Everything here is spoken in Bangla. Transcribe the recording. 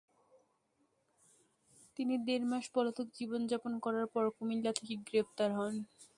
তিনি দেড় মাস পলাতক জীবন যাপন করার পর কুমিল্লা থেকে গ্রেপ্তার হন।